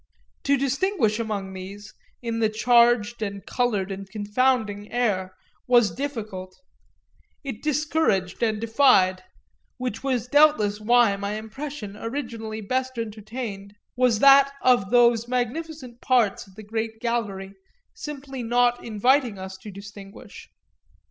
To distinguish among these, in the charged and coloured and confounding air, was difficult it discouraged and defied; which was doubtless why my impression originally best entertained was that of those magnificent parts of the great gallery simply not inviting us to distinguish.